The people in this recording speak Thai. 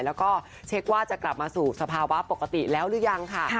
แล้วก็เช็คว่าจะกลับมาสู่สภาวะปกติแล้วหรือยังค่ะ